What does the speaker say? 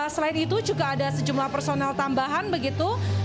selain itu juga ada sejumlah personel tambahan begitu